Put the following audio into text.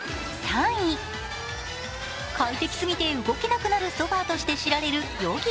快適すぎて動けなくなるソファーとして知られるＹｏｇｉｂｏ。